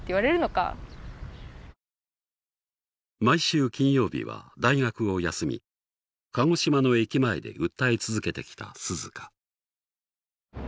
毎週金曜日は大学を休み鹿児島の駅前で訴え続けてきた涼夏。